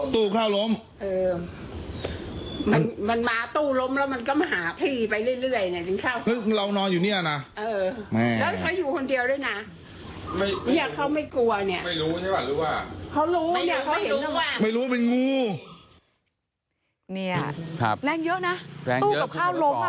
ตื่นมาจากแก่เมื่อคืนแล้วไง